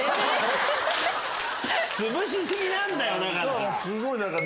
つぶし過ぎなんだよだから。